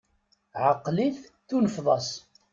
Ɛeqel-it tunefeḍ-as!